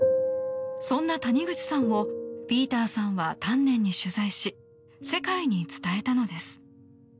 そんな谷口さんをピーターさんは丹念に取材し世界に伝えたのです。